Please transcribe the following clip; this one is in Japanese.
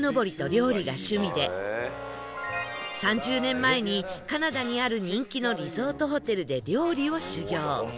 ３０年前にカナダにある人気のリゾートホテルで料理を修業